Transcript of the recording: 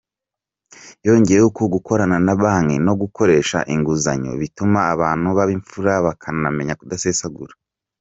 Yongeyeho ko gukorana na banki no gukoresha inguzanyo bituma abantu baba imfura bakanamenya kudasesagura.